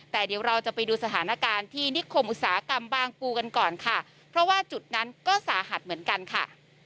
แต่เดี๋ยวเราจะไปดูสถานการณ์ที่นิคมอุตสาหกรรมบางปูกันก่อนค่ะเพราะว่าจุดนั้นก็สาหัสเหมือนกันค่ะ